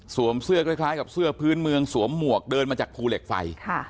เสื้อคล้ายกับเสื้อพื้นเมืองสวมหมวกเดินมาจากภูเหล็กไฟ